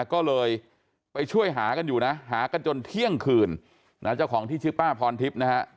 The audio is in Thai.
ก็เลยไปช่วยหากันอยู่นะหากันจนเที่ยงคืนนะเจ้าของที่ชื่อป้าพรทิพย์นะฮะ